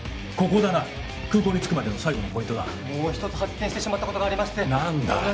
ここだな空港に着くまでの最後のポイントだもう一つ発見してしまったことがありまして何だ？